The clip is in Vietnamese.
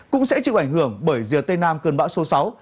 cũng sẽ chịu ảnh hưởng bởi rìa tây nam cơn bão số sáu